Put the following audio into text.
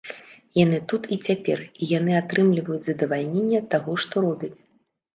Яны тут і цяпер, і яны атрымліваюць задавальненне ад таго, што робяць.